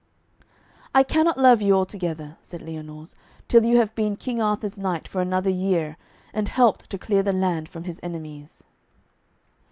'I cannot love you altogether,' said Lyonors, 'till you have been King Arthur's knight for another year, and helped to clear the land from his enemies.'